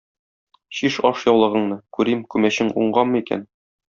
Чиш ашъяулыгыңны, күрим, күмәчең уңганмы икән?